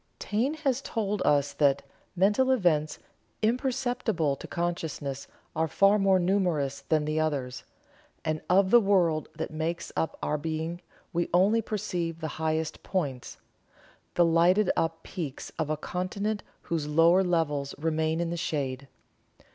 Taine has told us that: "Mental events imperceptible to consciousness are far more numerous than the others, and of the world that makes up our being we only perceive the highest points the lighted up peaks of a continent whose lower levels remain in the shade.